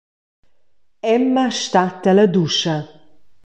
Emma stat ella duscha.